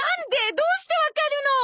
どうしてわかるの！？